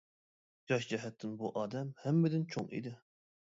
ياش جەھەتتىن بۇ ئادەم ھەممىدىن چوڭ ئىدى.